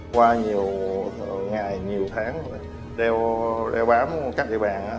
qua nhiều ngày nhiều tháng đeo bám các địa bàn